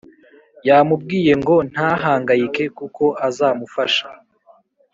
yamubwiye ngo ntahangayike kuko azamufasha